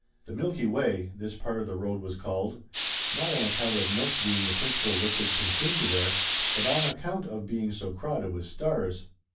The Milky Way, this part of the road was called, not on account of milk being the principal liquid consumed there, but on account of be ing so crowded with stars.